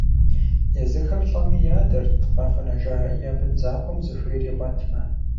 Езыхэр лӀэми ядэрт, къахуэнэжа я бын закъуэм зыхуейр игъуэтмэ.